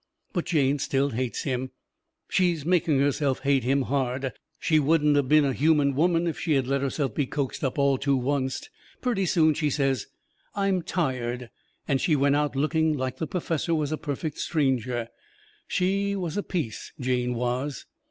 But Jane still hates him. She's making herself hate him hard. She wouldn't of been a human woman if she had let herself be coaxed up all to oncet. Purty soon she says: "I'm tired." And she went out looking like the perfessor was a perfect stranger. She was a peace, Jane was.